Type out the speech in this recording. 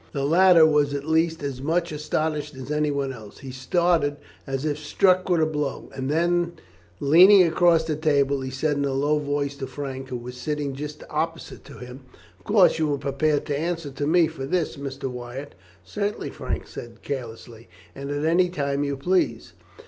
The latter was at least as much astonished as anyone else. He started as if struck with a blow, and then, leaning across the table, he said in a low voice to Frank, who was sitting just opposite to him: "Of course, you are prepared to answer to me for this, Mr. Wyatt?" "Certainly," Frank said carelessly; "and at any time you please."